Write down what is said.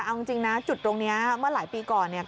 เอาจริงนะจุดตรงนี้ว่าหลายปีก่อน